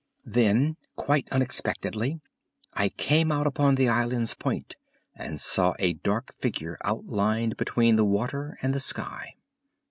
Then, quite unexpectedly, I came out upon the island's point and saw a dark figure outlined between the water and the sky.